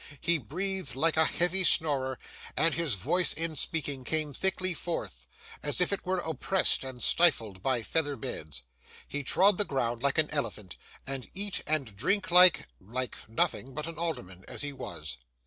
He breathed like a heavy snorer, and his voice in speaking came thickly forth, as if it were oppressed and stifled by feather beds. He trod the ground like an elephant, and eat and drank like—like nothing but an alderman, as he was.